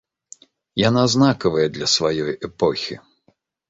Яна знакавая для сваёй эпохі.